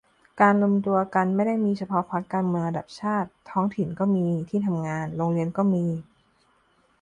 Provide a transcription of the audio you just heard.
การรวมตัวกันไม่ได้มีเฉพาะพรรคการเมืองระดับชาติ ท้องถิ่นก็มี ที่ทำงาน โรงเรียนก็มี